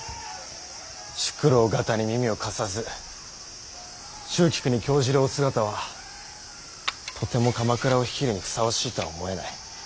宿老方に耳を貸さず蹴鞠に興じるお姿はとても鎌倉を率いるにふさわしいとは思えない。